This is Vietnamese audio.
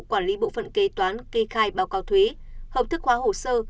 quản lý bộ phận kế toán kê khai báo cáo thuế hợp thức hóa hồ sơ